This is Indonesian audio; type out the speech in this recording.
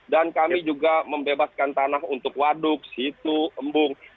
dan kami juga membebaskan tanah untuk waduk situk embung